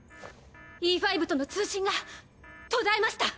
Ｅ５との通信が途絶えました。